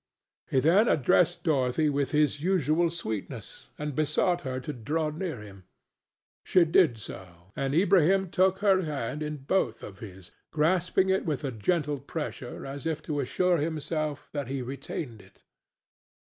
He then addressed Dorothy with his usual sweetness and besought her to draw near him; she did so, and Ilbrahim took her hand in both of his, grasping it with a gentle pressure, as if to assure himself that he retained it.